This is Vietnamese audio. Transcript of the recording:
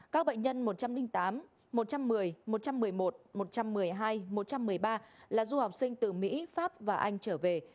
các bệnh nhân một trăm linh tám một trăm một mươi một trăm một mươi một một trăm một mươi hai một trăm một mươi ba là du học sinh từ mỹ pháp và anh trở về